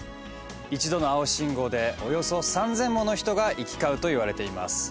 一度の青信号でおよそ３０００もの人が行き交うといわれています。